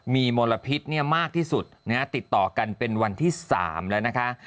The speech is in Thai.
มีมลพิษมากที่สุดติดต่อกันเป็นวันที่๓แล้วนะคะ